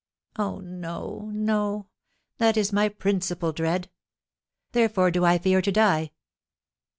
Oh, no, no, that is my principal dread; therefore do I fear to die.